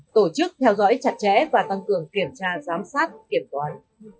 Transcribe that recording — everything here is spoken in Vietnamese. tổ chức theo dõi chặt chẽ và tăng cường kiểm tra giám sát kiểm toán